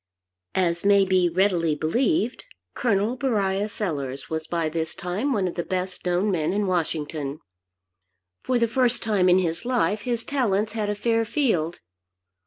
As may be readily believed, Col. Beriah Sellers was by this time one of the best known men in Washington. For the first time in his life his talents had a fair field.